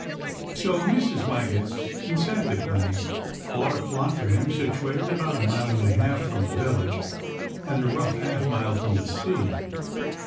So Mrs. Waggetts consented, and bought a plot for him situated about a mile and a half from the village and a rough half mile from the sea.